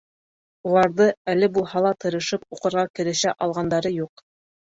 Уларҙың әле булһа тырышып уҡырға керешә алғандары юҡ.